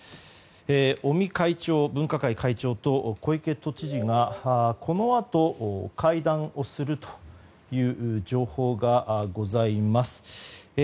尾身分科会会長と小池都知事がこのあと、会談をするという情報がございます。